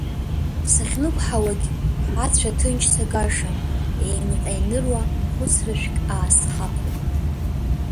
Сахьнықәҳауагь ацәа ҭынч сагашам, еинҟьа-еиныруа хәыцрашәк аасхаԥоит.